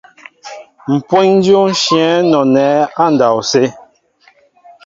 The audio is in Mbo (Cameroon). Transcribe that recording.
Mpweŋ dyô nshyɛέŋ nɔnɛɛ andɔwsé.